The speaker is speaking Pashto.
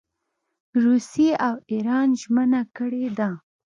روسیې او اېران ژمنه کړې ده.